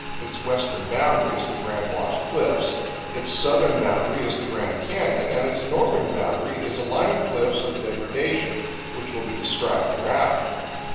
Its western boundary is the Grand Wash Cliffs, its southern boundary is the Grand Canyon, and its northern boundary is a line of cliffs of degradation, which will be described hereafter.